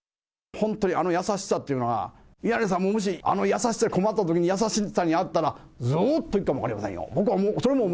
本当にあの優しさというのは、宮根さんももしあの優しさに、困ったときに、あの優しさにあったら、ずーっといくかもしれませんよ。